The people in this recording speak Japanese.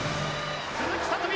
鈴木聡美